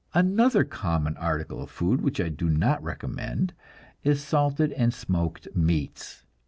Another common article of food which I do not recommend is salted and smoked meats.